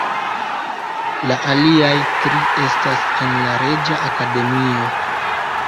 La aliaj tri estas en la Reĝa Akademio.